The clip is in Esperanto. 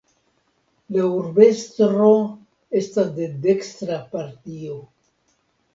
La urbestro estas de dekstra partio.